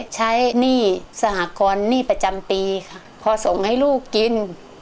หนี้สหกรณ์หนี้ประจำปีค่ะพอส่งให้ลูกกิน